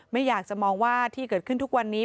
ไม่อยากจะมองว่าที่เกิดขึ้นทุกวันนี้